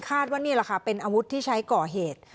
นี่แหละค่ะเป็นอาวุธที่ใช้ก่อเหตุ